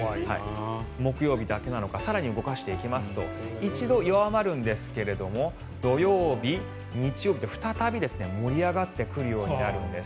木曜日だけなのか更に動かしていきますと一度弱まるんですが土曜日、日曜日と再び盛り上がってくるようになるんです。